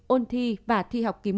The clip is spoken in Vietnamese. ôn thi và thi học kỳ một